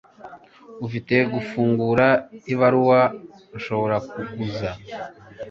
Ufite gufungura ibaruwa nshobora kuguza?